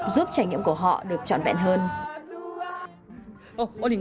giúp trải nghiệm của họ được trọn vẹn hơn